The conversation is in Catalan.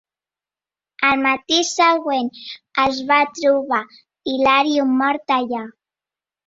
El matí següent es va trobar Ilario mort allà.